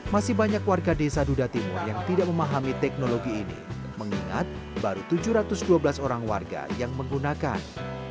masih banyak warga desa duda timur yang tidak memahami teknologi ini mengingat baru tujuh ratus dua belas orang warga yang menggunakan